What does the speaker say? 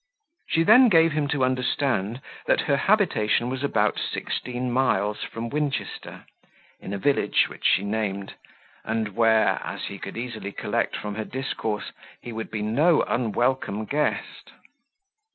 She then gave him to understand that her habitation was about sixteen miles from Winchester, in a village which she named, and where, as he could easily collect from her discourse, he would be no unwelcome guest.